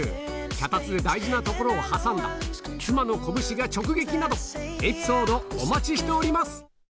脚立で大事な所を挟んだ妻の拳が直撃などエピソードお待ちしております！